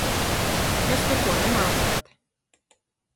Kas tur ko nemācēt?!